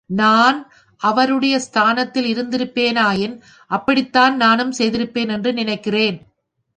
நான் அவருடைய ஸ்தானத்தில் இருந்திருப்பேனாயின் அப்படித்தான் நானும் செய்திருப்பேன் என்று நினைக்கிறேன்.